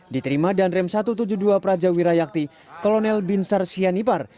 diterima dan rem satu ratus tujuh puluh dua praja wirayakti kolonel binsar sianipar